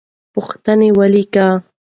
پوښتنې ولیکه.